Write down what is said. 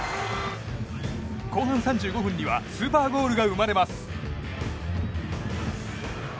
後半３５分にはスーパーゴールが生まれます。